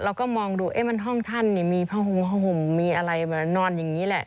เราก็มองดูมันห้องท่านมีผ้าห่มผ้าห่มมีอะไรนอนอย่างนี้แหละ